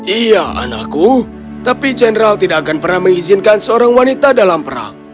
iya anakku tapi general tidak akan pernah mengizinkan seorang wanita dalam perang